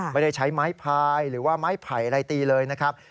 ไม่ได้ใช้ไม้พายหรือว่าไม้ไผ่อะไรตีเลยนะครับ